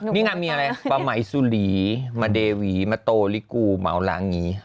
นี่ง่ามีอะไรปมมัยสุหรีมเดวีมโตลิกูเมารางิ